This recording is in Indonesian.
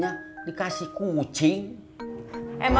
yaudah dua belas abel selamat saltan saya